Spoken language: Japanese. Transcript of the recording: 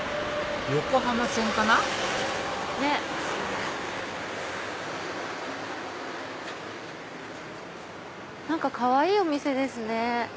横浜線かな何かかわいいお店ですね。